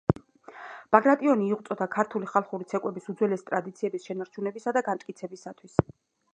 ბაგრატიონი იღვწოდა ქართული ხალხური ცეკვების უძველესი ტრადიციების შენარჩუნებისა და განმტკიცებისათვის.